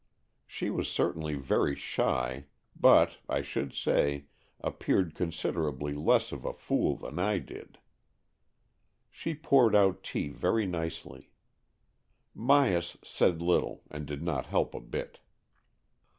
She was certainly very shy, but, I should say, appeared considerably less of a fool than I did. She poured out tea very nicely. Myas said little, and did not help a bit.